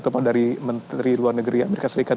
terutama dari menteri luar negeri amerika serikat